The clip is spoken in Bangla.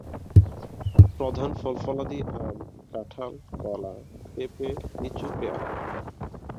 প্রধান ফল-ফলাদি আম, কাঁঠাল, কলা, পেঁপে, লিচু, পেয়ারা।